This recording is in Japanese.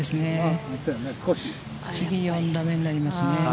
次、４打目になりますね。